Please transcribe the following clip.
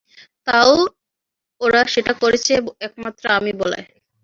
তাও ওরা সেটা করেছে একমাত্র আমি বলায়।